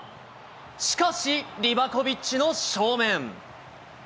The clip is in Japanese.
しかし、リバコビッチの正面。